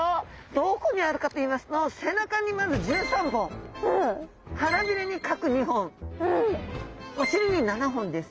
どこにあるかといいますと背中にまず１３本腹びれに各２本お臀に７本です。